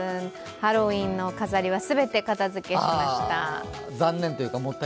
ハロウィーンの飾りは全て片付けました。